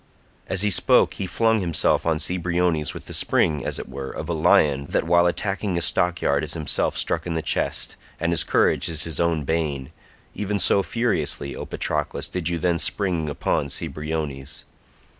As he spoke he flung himself on Cebriones with the spring, as it were, of a lion that while attacking a stockyard is himself struck in the chest, and his courage is his own bane—even so furiously, O Patroclus, did you then spring upon Cebriones.